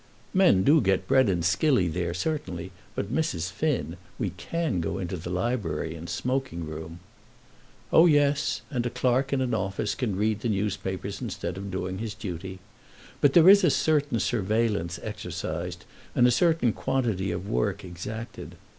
"Men do get bread and skilly there certainly; but, Mrs. Finn, we can go into the library and smoking room." "Oh, yes; and a clerk in an office can read the newspapers instead of doing his duty. But there is a certain surveillance exercised, and a certain quantity of work exacted.